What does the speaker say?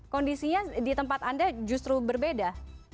kondisinya di tempat anda justru berbeda